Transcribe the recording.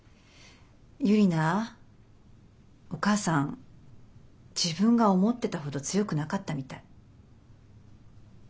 ユリナお母さん自分が思ってたほど強くなかったみたい。